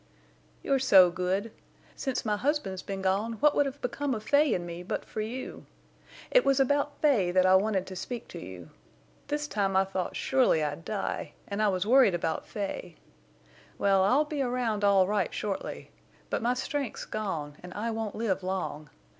"You're so good. Since my husband's been gone what would have become of Fay and me but for you? It was about Fay that I wanted to speak to you. This time I thought surely I'd die, and I was worried about Fay. Well, I'll be around all right shortly, but my strength's gone and I won't live long.